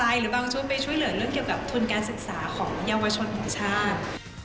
หรือบางชุดไปช่วยเหลือเรื่องเกี่ยวกับทุนการศึกษาของเยาวชนของชาติ